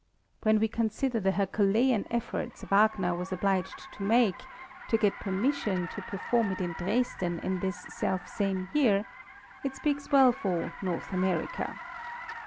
When we consider the herculean efforts Wagner was obliged to make to get permission to perform it in Dresden in this selfsame year, it speaks well for "North America."